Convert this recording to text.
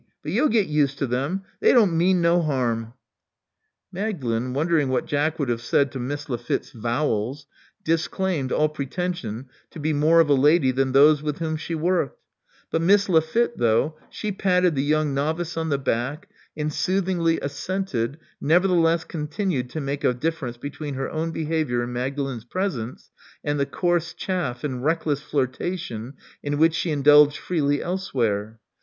But you'll get used to them. They don't mean no 'arm. Magdalen, wondering what Jack would have said to Miss Lafitte 's vowels, disclaimed all pretension to be more of a lady than those with whom she worked ; but Miss Lafitte, though, she patted the young novice on fhe back, and soothingly assented, nevertheless con tinued to make a difference between her own behavior in Magdalen's presence, and the coarse chaff and reckless flirtation in which she indulged freely else where.